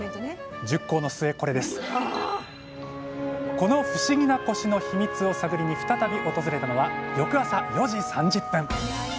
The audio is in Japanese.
この不思議なコシのヒミツを探りに再び訪れたのは翌朝４時３０分。